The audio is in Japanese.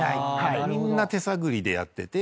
みんな手探りでやってて。